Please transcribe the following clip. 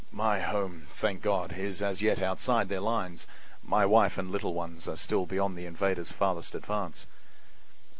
My home, thank God, is as yet outside their lines; my wife and little ones are still beyond the invader's farthest advance."